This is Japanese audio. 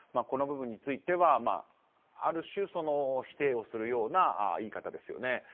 この部分についてはある種、否定をするような言い方ですよね。